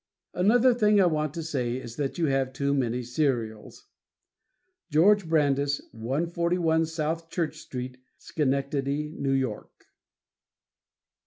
Another thing I want to say is that you have too many serials. Geo. Brandes, 141 South Church St., Schenectady, New York.